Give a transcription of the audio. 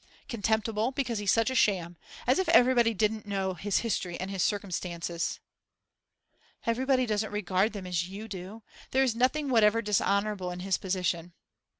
Contemptible, because he's such a sham; as if everybody didn't know his history and his circumstances!' 'Everybody doesn't regard them as you do. There is nothing whatever dishonourable in his position.